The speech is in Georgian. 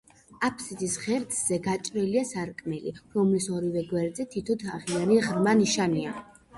აფსიდის ღერძზე გაჭრილია სარკმელი, რომლის ორივე გვერდზე თითო თაღიანი ღრმა ნიშია.